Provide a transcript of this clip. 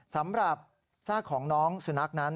สำหรับซากของน้องสุนัขนั้น